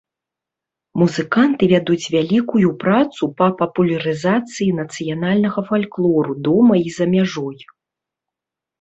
Музыканты вядуць вялікую працу па папулярызацыі нацыянальнага фальклору дома і за мяжой.